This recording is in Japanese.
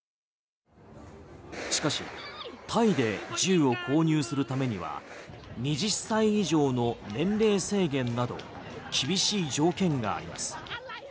しかしタイで銃を購入するためには２０歳以上の年齢制限など厳しい条件があります。